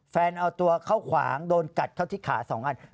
เอาตัวเข้าขวางโดนกัดเข้าที่ขา๒อัน